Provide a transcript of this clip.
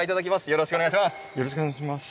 よろしくお願いします。